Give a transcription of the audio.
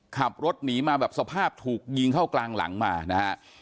ขับรถหนีมาแบบสภาพถูกยิงเข้ากลางหลังมานะฮะ